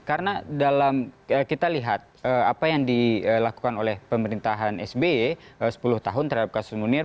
karena dalam kita lihat apa yang dilakukan oleh pemerintahan sby sepuluh tahun terhadap kasus munir